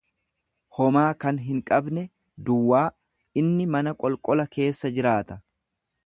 homaa kan hinqabne, duwwaa; Inni mana qolqola keessa jiraata.